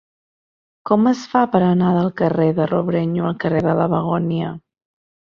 Com es fa per anar del carrer de Robrenyo al carrer de la Begònia?